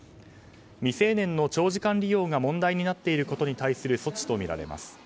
未成年の長時間利用が問題になっていることに対する措置とみられます。